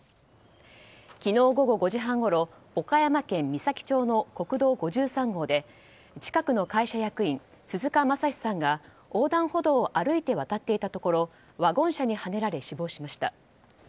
昨日午後５時半ごろ岡山県美咲町の国道５３号で、近くの会社役員鈴鹿正志さんが横断歩道を歩いてい渡っていたところワゴン車にはねられ死亡しました。